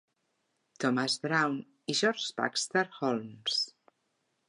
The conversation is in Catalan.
Thomas Brown i George Baxter Holmes.